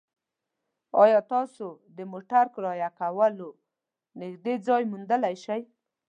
ایا تاسو د موټر کرایه کولو نږدې ځای موندلی شئ؟